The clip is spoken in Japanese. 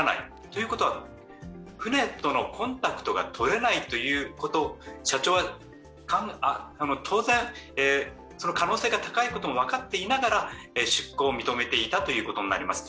ということは、船とのコンタクトがとれないということ、社長は、当然その可能性が高いことも分かっていながら出航を認めていたということになります。